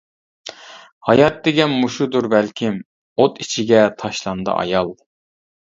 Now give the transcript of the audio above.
ھايات دېگەن مۇشۇدۇر بەلكىم، ئوت ئىچىگە تاشلاندى ئايال.